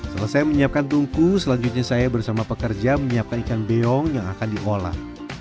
selesai menyiapkan tungku selanjutnya saya bersama pekerja menyiapkan ikan beong yang akan diolah